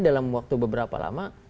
dalam waktu beberapa lama